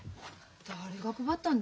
誰が配ったんだ？